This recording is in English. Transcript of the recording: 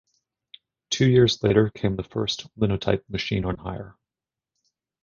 Two years later came the first Linotype machine on hire.